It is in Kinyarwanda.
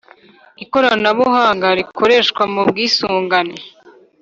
Ikoranabuhanga rikoreshwa mu bwisungane